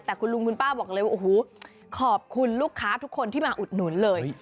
แต่คุณลุงคุณป้าบอกเลยว่าโอ้โหขอบคุณลูกค้าทุกคนที่มาอุดหนุนเลย